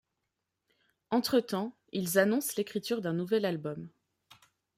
Entretemps, ils annoncent l'écriture d'un nouvel album.